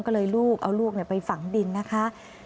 ก็เลยลูกเอาลูกไปฝังดินนะคะ